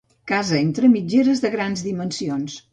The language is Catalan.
Casa entre mitgeres de grans dimensions.